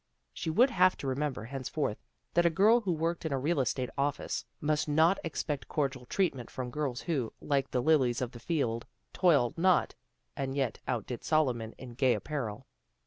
She would have to remember, henceforth, that a girl who worked in a real estate office must not expect cordial treatment from girls who, like the lilies of the field, toiled not, and yet outdid Solomon hi gay apparel.